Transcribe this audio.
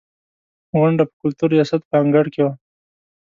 غونډه په کلتور ریاست په انګړ کې وه.